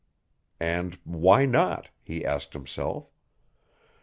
And why not, he asked himself?